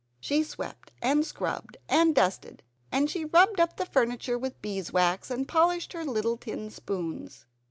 She swept, and scrubbed, and dusted; and she rubbed up the furniture with bees wax, and polished her little tin spoons.